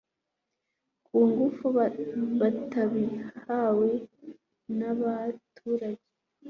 ku ngufu batabihawe n'abaturage